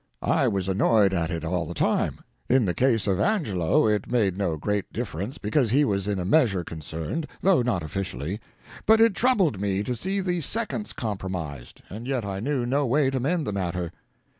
I was annoyed at it, all the time. In the case of Angelo it made no great difference, because he was in a measure concerned, though not officially; but it troubled me to see the seconds compromised, and yet I knew no way to mend the matter.